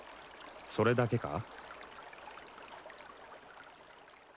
それだけか？